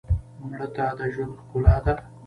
مړه ته د ژوند ښکلا ده